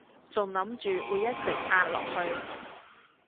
仲諗住會一直壓落去